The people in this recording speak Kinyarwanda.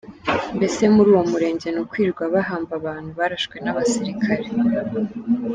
mbese muri uwo murenge ni ukwirwa bahamba abantu barashwe n’abasirikare.